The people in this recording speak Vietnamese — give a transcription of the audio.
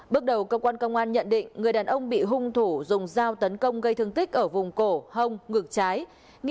bước đầu công an nhận định người đàn ông bị hung thủ dùng dao tấn công